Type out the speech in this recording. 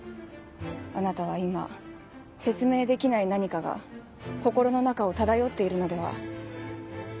あなたは今説明できない何かが心の中を漂っているのでは？